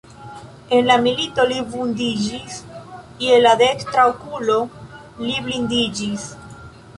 En la milito li vundiĝis, je la dekstra okulo li blindiĝis.